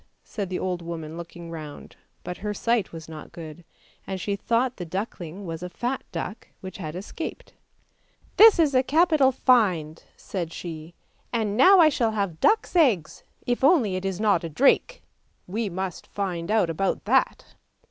said the old woman looking round, but her sight was not good, and she thought the duckling was a fat duck which had escaped. :' This is a capital find," said she; ' now I shall have duck's eggs if only it is not a drake! we must find out about that!